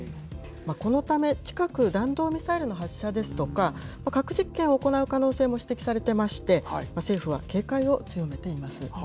このため、近く、弾道ミサイルの発射ですとか、核実験を行う可能性も指摘されてまして、政府は警戒を強めています。